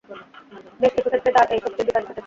বেশ কিছু ক্ষেত্রে তার এই শক্তির বিকাশ ঘটেছে।